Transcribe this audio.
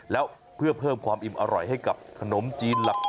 แล้วเพื่อเพิ่มความอิ่มอร่อยให้กับขนมจีนหลัก